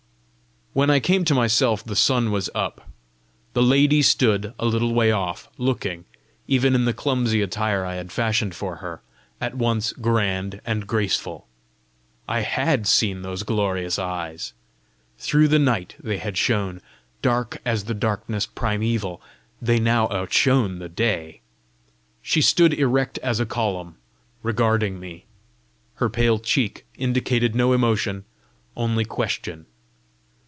When I came to myself the sun was up. The lady stood a little way off, looking, even in the clumsy attire I had fashioned for her, at once grand and graceful. I HAD seen those glorious eyes! Through the night they had shone! Dark as the darkness primeval, they now outshone the day! She stood erect as a column, regarding me. Her pale cheek indicated no emotion, only question.